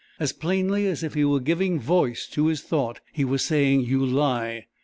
As plainly as if he were giving voice to his thought he was saying: "You lie!"